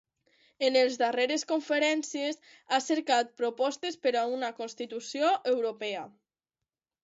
En els darreres conferències ha cercat propostes per a una Constitució Europea.